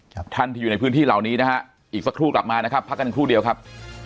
ครับท่านที่อยู่ในพื้นที่เหล่านี้นะฮะอีกสักครู่กลับมานะครับพักกันครู่เดียวครับ